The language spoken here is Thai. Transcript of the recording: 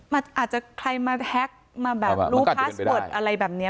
มันอาจจะใครมาแฮคมาแบบมันก็จะเป็นไปได้รู้พาสเวิร์ดอะไรแบบเนี้ย